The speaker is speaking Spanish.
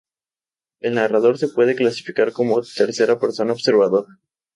El narrador se puede clasificar como tercera persona observador.